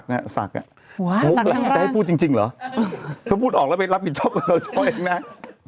ใครจะคิดให้พูดจริงเดี๋ยวพูดออกไปรับหิดชับตรง๒๐๐๘เนี่ย